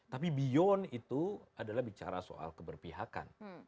tapi beyond itu adalah bicara soal keberpihakan